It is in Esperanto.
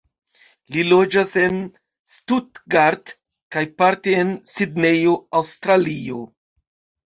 Li loĝas en Stuttgart kaj parte en Sidnejo, Aŭstralio.